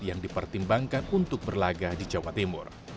yang dipertimbangkan untuk berlaga di jawa timur